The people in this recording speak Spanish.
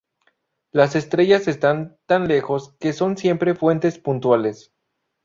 Las estrellas están tan lejos que son siempre fuentes puntuales.